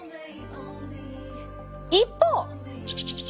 一方！